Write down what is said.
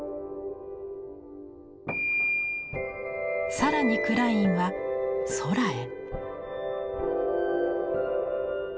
更にクラインは空へ。